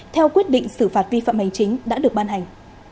theo quyết định xử phạt vi phạm hành chính đã được ban hành